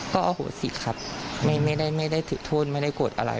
ก็อโหสิครับไม่ได้ถือโทษไม่ได้โกรธอะไร